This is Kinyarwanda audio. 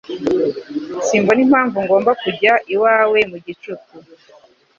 Simbona impamvu ngomba kujya iwawe mu gicuku.